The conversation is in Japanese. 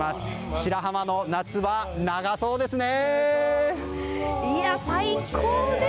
白浜の夏は長そうですね！